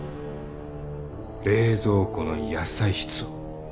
冷蔵庫の野菜室を。